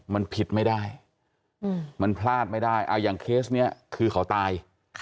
มันผิดไม่ได้มันพลาดไม่ได้อย่างเคสนี้คือเขาตาย